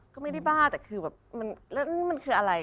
ก็ไม่ได้บ้าแต่คือแบบแล้วมันคืออะไร